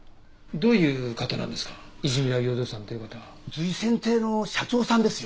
瑞泉亭の社長さんですよ。